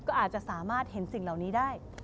ก็อาจจะสามารถเห็นสิ่งเหล่านี้ได้